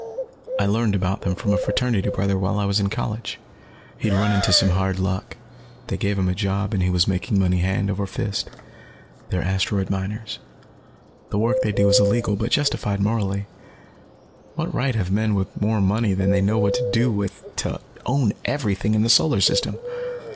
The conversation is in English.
I learned about them from a fraternity brother while I was in college. He'd run into some hard luck, they gave him a job, and he was making money hand over fist. They're asteroid miners. The work they do is illegal, but it's perfectly justified morally. What right have men with more money than they know what to do with to own everything in the Solar System?